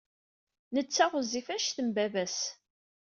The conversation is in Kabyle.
Netta ɣezzif anect n baba-s.